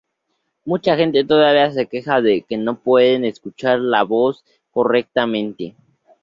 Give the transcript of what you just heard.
Mucha gente todavía se queja de que no pueden escuchar la voz correctamente.